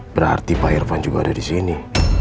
berarti pak irfan juga ada di sini